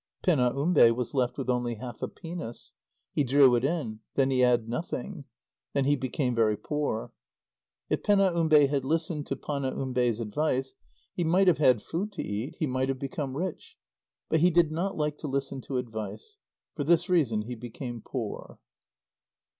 Penaumbe was left with only half a penis. He drew it in. Then he had nothing. Then he became very poor. If Penaumbe had listened to Panaumbe's advice, he might have had food to eat, he might have become rich. But he did not like to listen to advice. For this reason he became poor.